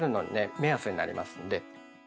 目安になりますんで。